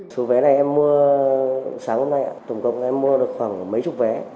số vé này em mua sáng hôm nay tổng cộng em mua được khoảng mấy chục vé